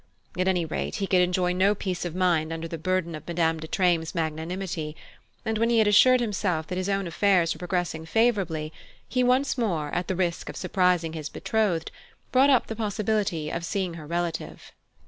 At any rate, he could enjoy no peace of mind under the burden of Madame de Treymes' magnanimity, and when he had assured himself that his own affairs were progressing favourably, he once more, at the risk of surprising his betrothed, brought up the possibility of seeing her relative.